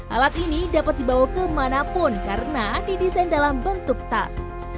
alat ini dapat dibawa kemanapun karena didesain dalam bentuk tas